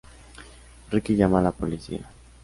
Ricky llama a la policía.